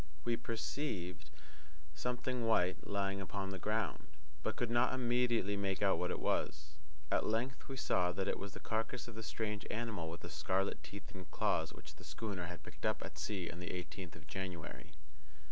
We perceived something white lying upon the ground, but could not immediately make out what it was. At length we saw that it was the carcass of the strange animal with the scarlet teeth and claws which the schooner had picked up at sea on the eighteenth of January.